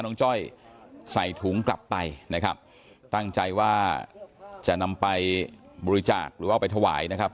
จ้อยใส่ถุงกลับไปนะครับตั้งใจว่าจะนำไปบริจาคหรือว่าเอาไปถวายนะครับ